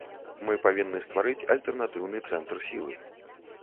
Мы павінны стварыць альтэрнатыўны цэнтр сілы.